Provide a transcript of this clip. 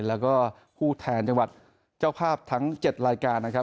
แล้วก็ผู้แทนจังหวัดเจ้าภาพทั้ง๗รายการนะครับ